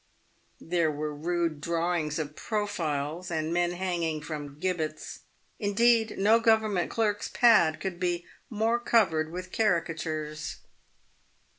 There were rude drawings of pro files and men hanging from gibbets ; indeed, no Government clerk's pad could be more covered with caricatures.